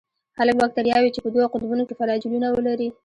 هغه باکتریاوې چې په دوو قطبونو کې فلاجیلونه ولري.